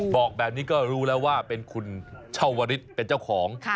บอกแบบนี้ก็รู้แล้วว่าเป็นคุณชาวริสเป็นเจ้าของ